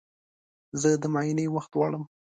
زه د معاینې وخت غواړم.